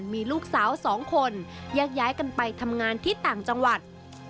มีลูกสาว๒คนแยกย้ายกันไปทำงานที่ต่างจังหวัด